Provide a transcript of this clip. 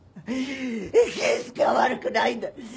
圭介は悪くないんだ！